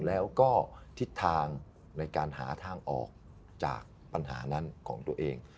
แล้วก็ทิศทางในการหาทางออกจากปัญหานั้นของตัวเอง